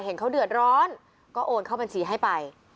เห็นเขาเดือดร้อนก็โอนเข้าบัญชีให้ไป